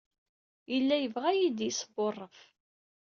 Yella yebɣa ad iyi-yesbuṛṛef.